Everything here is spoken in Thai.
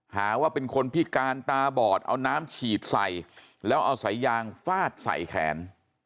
หาว่าเป็นคนพิการตาบอดเอาน้ำฉีดใส่แล้วเอาสายยางฟาดใส่แขน